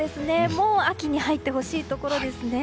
もう秋に入ってほしいところですね。